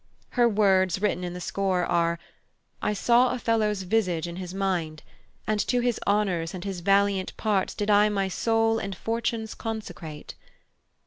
Her words, written in the score, are: "I saw Othello's visage in his mind; And to his honours and his valiant parts Did I my soul and fortunes consecrate."